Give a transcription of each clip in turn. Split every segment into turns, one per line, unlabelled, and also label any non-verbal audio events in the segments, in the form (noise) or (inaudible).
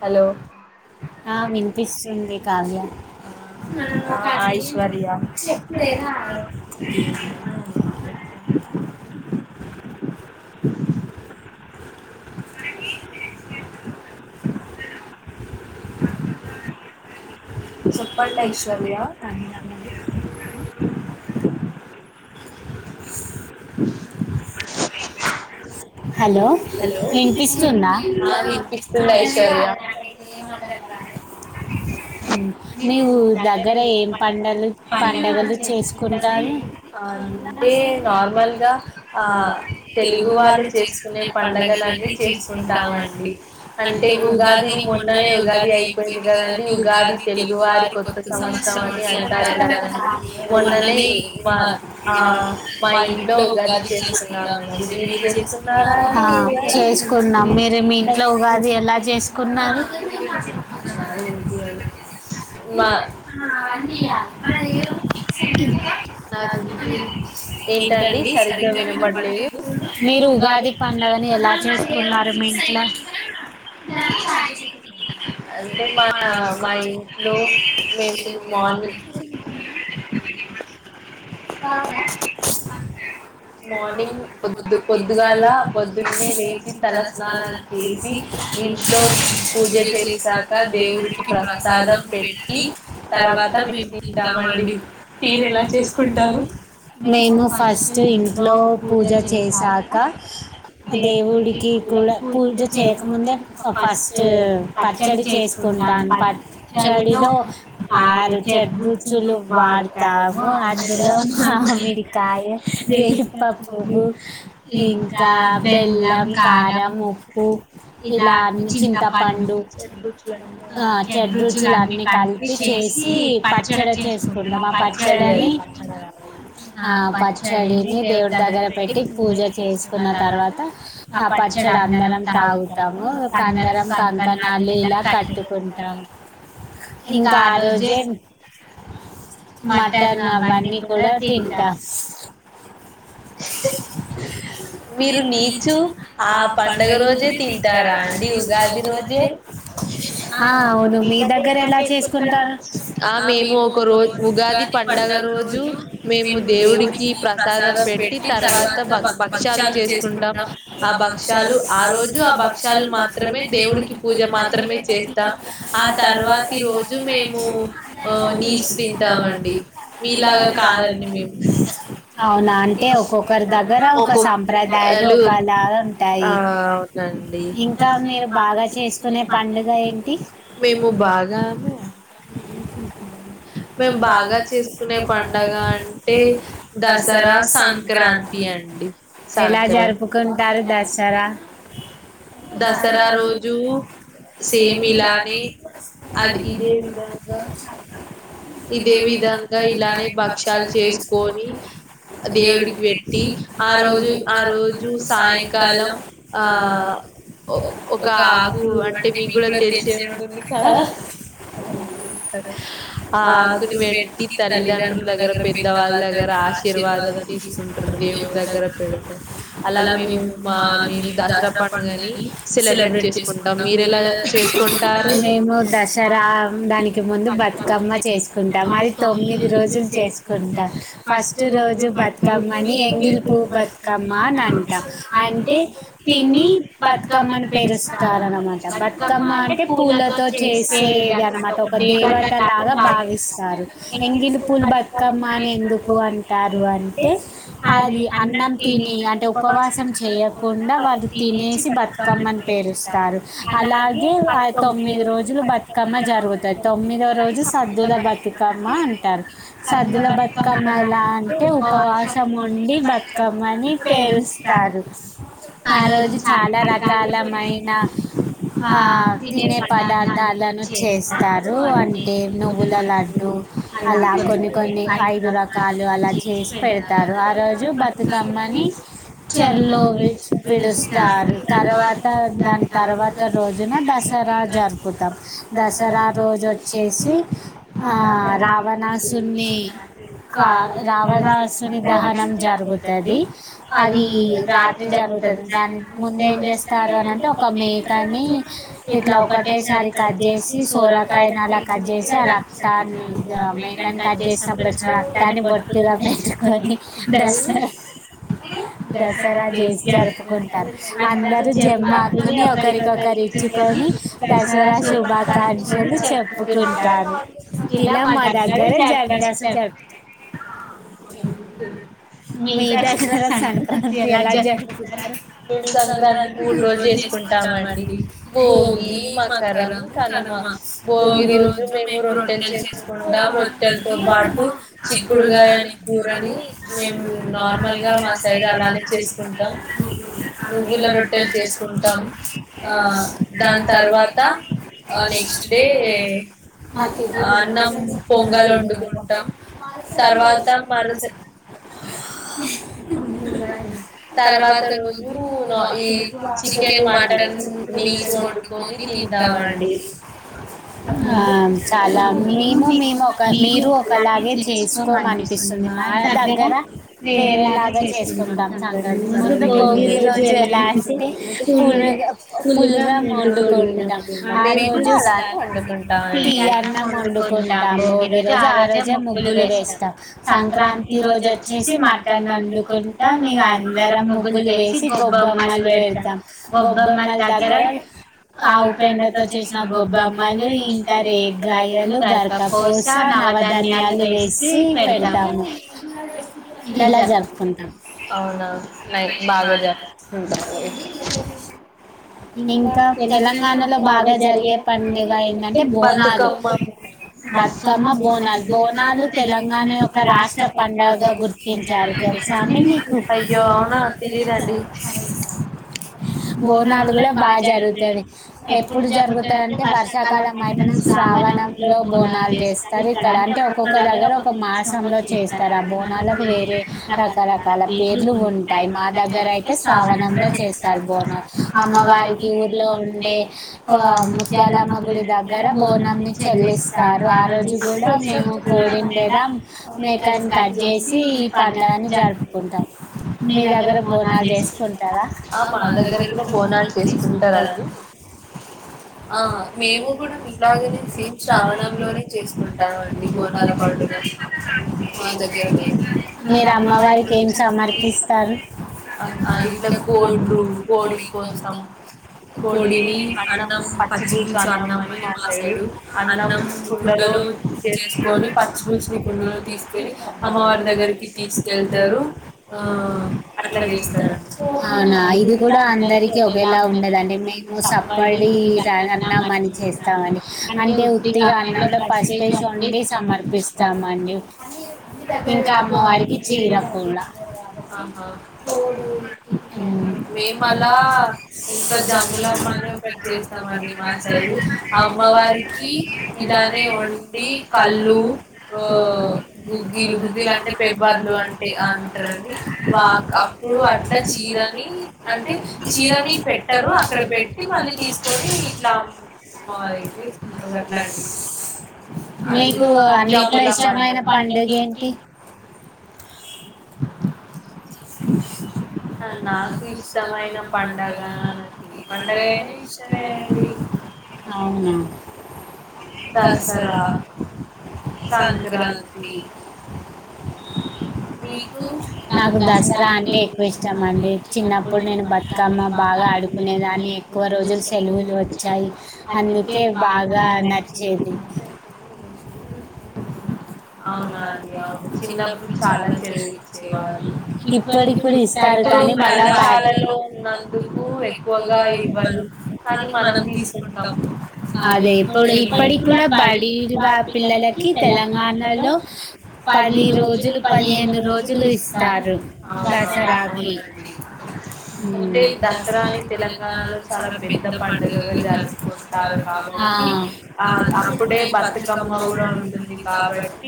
Hello ఆ వినిపిస్తుంది కావ్య చెప్పం ఈశ్వర్ంలో త హలో వినిపిస్తుంద నవు దగ్గర ఏం పండలు పండగలు చేసుకుంట అంట నార్ల్
తెలుగు వాళ్ళు చేసు కునే పంండగల అని చేసుకుంటామండి అంటే ఉగాదిని మొన్ననే ఉగాది అయిపోయింది కదండి ఉగాది తెలుగువారి కొత్త సంవత్సరం అని అంటారు కదా మొన్ననే మా ఆ మా ఇంట్లో ఉగాది చేసుకున్నామండి మీరు చేస్కు
చేసుకున్నాం మీరే మీ ఇంట్లో ఉగాది ఎలా చేసుకున్నారు ఏంటండి సరిగా వినపడలేదు
మీరు ఉగా
పండగని ఎలా చేసుకున్నారు మీ ఇంట్లో మార్నింగ్ ముందు ల పొద్దున్నే లేచి తల స్నానం చేసి ఇంట్లో పూజ చేసాక దేవుడికి ప్రసాదం పెట్టి తర్వాత మేము తింటామ అండి పరు ఎలా చేసుకుంటారు మేము ఫస్ట్ ఇంట్లో పూజ స కా దేవుడికి కూడా పూజ చేయకముందే ఫస్ట్ పచ్చడి చేసుకుంటాను పచ్చడిలో ఆరు చెడ్ రుచులు వాడతాము అందులో మామిడికాయ వేప పువ్వు
ఇంకా బెల్లం కారం ఇలాంటి చింతపండు చెడ్రుచులు చెడ్రుచులు అన్ని కపి చేసి పచ్చడి చేసుకుంటాం ఆ పచ్చడి పడి ఆ పచ్చడిని దేవుడి దగ్గర పెట్టి
పూజ
చేసుకున్న తర్వాత ఆ పచ్చడి అందరం తరువాత ఆ పచ్చడి అందరం తాగుతాము ఒక అందరం సకనాాలు ఇలా కట్టుకుతాము ఇంకా ఆ రోజే మటన్ అవన్నీ కూడా తింటాము మీరు నీచు ఆ పండగ రోజే తింటారా అండి ఉగాది రోజే అవును మీ దగ్గరలాసుకు ఆ మేము ఒక రోజు ఉగాది పండుగ రోజు మేము దేవుడికి ప్రసాదం పెట్టి తర్వాత అంతా భక్ భక్ష్యాాలు చేసుకుంటాం ఆ భక్షాలు ఆ రోజు ఆ భక్ష్యాాలు మాత్రమే దేవుడికి పూజ మాత్రమే చేస్తాం ఆ తర్వాతి రోజు మేము నీసు తింటాం అండి మీలాగా కాదండి మేము ఒకొక్క లు మేము బాగా మేము బాగా చేసుకునే పండగ అంటే దసరా సంక్రాంతి తి అండి దసరా రోజు సేమ్ ఇలానే అది ఇదే విధంగా ఇదే విధంగా ఇలానే భక్ష్యాలు చేసుకొని దేవుడికి ది ఆ రోజు ఆ రోజు సాయంకాలం ఆ ఒక ఆకు అంటే మీకు గూడా తెలిసే ఉంటుంది క ఆ ఆకుని పెట్టి తల్లిదండ్రుల దగ్గర పెద్దవాళ్ళ దగ్గర ఆశీర్వాదం తీసుకు దేవుడు జ
మేము దసరా దానికి ముందు బతుకమ్మ చేసుకుంటాం. అది తొమ్మిది రోజులు చేసుకుంటాం ఫస్ట్ రోజు బతుకమ్మ అని ఎంగిల్ పూ బతుకమ్మ అని అంటా అంటే తిని బతుకమ్మని పెరుస్తారనమాట బతుకమ్మ అంటే పూలతో చేసేది అనమాట ఒక దేవతలాగా భావిస్తారు ఎంగిలి పూలు బతుకమ్మ అని ఎందుకు అంటారు అంటే ఆర్య అన్నం తిని అంటే ఉపవాసం చేయకుండా వాళ్ళు తినేసి బతుకమ్మని పేరుస్తారు అలాగే తొమ్మిది రోజులు బతుకమ్మ జరుగుతది తొమ్మిదో రోజు సద్దుల బతుకమ్మ అంటారు సద్దుల బతుకమ్మ ఎలా అంటే ఉపవాసము అండి బత బతుకమ్మ ని పేరుస్తారు ఆ రోజు చాలా రకాలమైన ఆ తినే పదార్థాలను చేస్తారు అంటే నువ్వుల లడ్డు అలా కొన్ని కొన్ని ఐదు రకాలు అలా చేసి పెడతారు ఆ రోజు బ బతుకమ్మని చెర్లో విడుస్తారు తర్వాత దాని తర్వాత రోజున దసరా జరుపుతాం దసరా రోజు వచ్చేసి ఆ రావణాసుని కా రావణాసుని దహనం జరుగుతు తది అది రాత్రి జరుగుతది దానికి ముందు ఏం చేస్తారు అనంటే ఒక మేకని ఇట్లా ఒకటేసారి కట్ చేసి సోరకాయనా అలా కట్ చేసి ఆ రక్తాన్ని మేకని కట్ చేసినప్పుడు వచ్చిన రక్తాన్ని బొట్టిగా పెట్టు అనీ దస్ హ
దసరా జేసి వసి జరుపుకుంటారు అందరూ జమ్మాకుని ఒకరికొరికి ఇచ్చుకొని దసరా శుభాకాంక్షలు చెప్పుకుంటారు ఇలా మా దగ్గర దసరా జరు (inaudible)
మీ దగ్గర సంక్రాంతి ఎలా జరుపుతారు మేము సంక్రాంతి మూడు రోజులు చేసుకుంటామండి భోగి మకరం కనుమ భోగి రోజు మేము రొట్టెలు చేసుకుంటాం రొట్టెలతో పాటు చిక్కుడుగాయ కూరని మేం నార్మల్గా మా సైడు అలాగే చేసుకుంటాం నువ్వుల రొట్టెలు చేసుకుంటాం ఆ దాని తర్వాత నెక్స్ట్ డే అన్నం పొంగలు వండుకుంటాం తర్వా తబ్ మరో స తర్వాత రోజు ఈ చికెన్ మటన్ నీస్ వండుకొని తింటామండి ఆ చాలా మేము మేము ఒక మీరు ఒకలాగే చేసుకోమనిపిస్తు వస్తుంది మా దగ్గర వేరేలాగా చేసుకుంటాం సంక్రాంతి ముందు భోగి రోజు ఎలావస్తే పులుగా పులగం వండుకుంటాం ఆ రోజు తీయన్నం వండుకుంటాం భోగి రోజు ఆ రోజే ముగ్గులు వేస్తాం సంక్రాంతి రోజు వచ్చేసి మ మటన్ని వండుకుంటాం ఇగ అందరం ముగ్గులు వేసి గొబ్బెమ్మలు పెడతాం గొబ్బెమ్మల దగ్గర ఆవుపెండతో చేసిన గొబ్బెమ్మలు ఇంకా రేగగాయలు గరకపూస నవధాన్యాలు వేసి
తా అవునా నైట్ బాగా జరపుకుంటు
తెలంగాణ యొక్క రాష్ట్ర పండుగగా గుర్ ారుగుతు తెలుసా అండి అయ్యో అవునా తెలీదండి బోనాలు కూడా బాగా జరుగుతుంది ఎప్పుడు జరుగుతంది అంటే వర్షాకాలం అయిపోయిన శ్రావణంలో బోనాలు చేస్తారు ఇక్కడ అంటే ఒక్కొక్క దగ్గర ఒక మాసంలో చేస్తారా ఆ బోనాల వేరే రకరకాల పేర్లు ఉంటాయి మా దగ్గర అయితే శ్రావణంలో చేస్తారు బోనం అమ్మవారికి ఊర్లో ఉండే ముత్యాలమ్మ గుడి దగ్గర బోనంని చెల్లిస్తారు ఆ రోజు కూడా మేము కోడిని లేదా మేకను కట్ చేసి ఈ పండుగని జరుపుకుంటాం మీ దగ్గర బోనాలు చేసుకుంటారా
మా దగ్గర లేదు
మీరు అమ్మవారికి ఏం సమర్పిస్తారు
కుండలో తీసుకెళ్ళి అమ్మవారి
దగ్గరికి తీసుకెళ్తారు ఆ అట్లా చేస్తారు
డి
ఇంకా అమ్మవారికి చీర కూహా ఆ జుంకీలు గుగ్గిళ్ళు అంటే పెబ్బర్లు అంటి అంటారు అండి వా అప్పుడు అట్లా చీరని అంటే చీరని పెట్టరు అక్కడ పెట్టి మళ్ళీ తీసుకొని ఇట్లాపోవాలి తీసుకుంటారు అట్లాంటి ఇట్లా ఇష్టమైన పండుగ ఏంటి
అ
నాకు ఇష్టమైన పండగ నా ఏ పండగ అయినా ఇష్టమేండి అవునా
దసరా సంక్రాంతి
మీకు నాకు దసరా అంటే ఇష్టామండి చిన్నప్పుడు నేను బతుకమ్మ బాగా ఆడుకునేదాన్ని ఎక్కువ రోజులు సెలవులు వచ్చాయి అందుకే బాగా నచ్చేది అవునా అండి అవును చిన్నప్పుడు చాలా చేయించే వాళ్ళు కళాశాల ఉన్నందుకు ఎక్కువగా ఇవ్వరు కాని మనం తీసుకుంటాము హలో
పది రోజులు పదిహేను రోజులు ఇస్తారు దసరానీ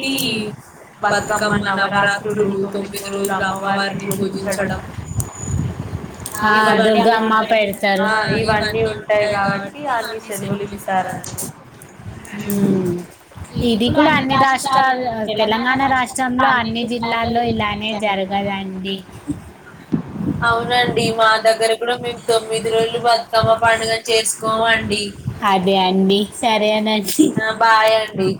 ఆ
ఈ బతుకమ్మ నవరాత్రులు తొమ్మిది రోజులు అమ్మవారిని పూజించడం ఇవన్నీ ఉంటాయి కాబట్టి మాకు ఈ సెలవులు ఇస్తారు తెలంగాణ మన రాష్ట్రంలో అన్ని జిల్లాల్లో ఇలానే జరగదండి అదే అండి సరేనండి